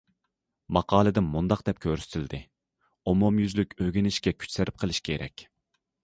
ماقالىدە مۇنداق دەپ كۆرسىتىلدى: ئومۇميۈزلۈك ئۆگىنىشكە كۈچ سەرپ قىلىش كېرەك.